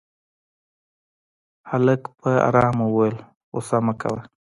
هلک په آرامه وويل غوسه مه کوه.